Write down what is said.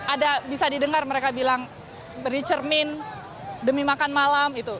ada bisa didengar mereka bilang beri cermin demi makan malam